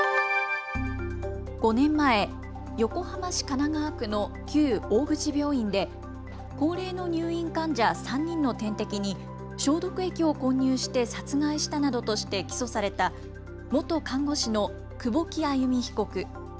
５年前、横浜市神奈川区の旧大口病院で高齢の入院患者３人の点滴に消毒液を混入して殺害したなどとして起訴された元看護師の久保木愛弓被告。